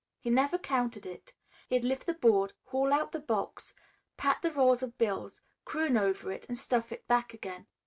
He never counted it. He'd lift the board, haul out the box, pat the roll of bills, croon over it, and stuff it back again.